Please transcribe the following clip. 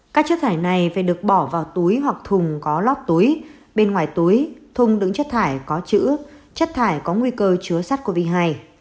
các chất thải này phải được bỏ vào túi hoặc thùng có lót túi bên ngoài túi thùng đứng chất thải có chữ chất thải có nguy cơ chứa sát covid một mươi chín